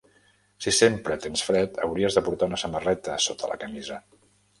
Si sempre tens fred, hauries de portar una samarreta sota la camisa.